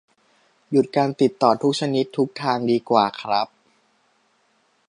หยุดการติดต่อทุกชนิดทุกทางดีกว่าครับ